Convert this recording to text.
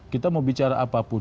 kita mau bicara apapun